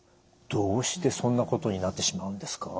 どうしてそんなことになってしまうんですか？